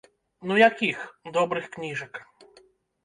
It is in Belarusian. Ну якіх, добрых кніжак.